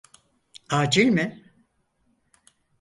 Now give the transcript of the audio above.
Acil mi?